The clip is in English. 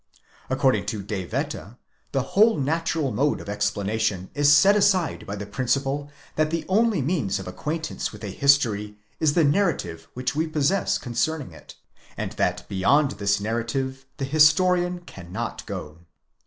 According to De Wette, the whole natural mode of explana tion is set aside by the principle that the only means of acquaintance with a history is the narrative which we possess concerning it, and that beyond this narrative the historian cannot go.